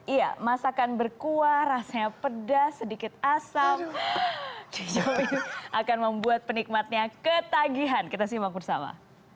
iya masakan berkuah rasanya pedas sedikit asam akan membuat penikmatnya ketagihan kita simak bersama